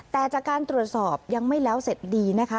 แต่จากการตรวจสอบยังไม่แล้วเสร็จดีนะคะ